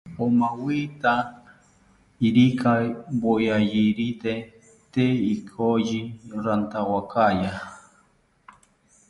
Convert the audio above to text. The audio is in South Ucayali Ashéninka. omawitya irika woyayirite, tee ikoyi rantawakaya